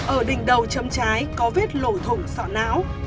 ở đỉnh đầu châm trái có vết lổ thủng sọ não